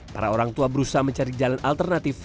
para orang tua berusaha mencari jalan alternatif